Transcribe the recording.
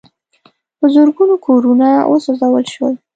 په زرګونو کورونه وسوځول شول.